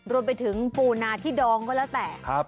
โดนไปถึงปูนาที่ดองก็แล้วแต่ครับ